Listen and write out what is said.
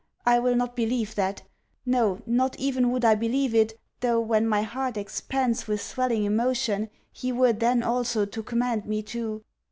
I will not believe that: No, not even would I believe it, though, when my heart expands with swelling emotion, he were then also to command me to